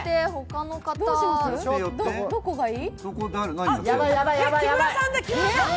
どこがいい？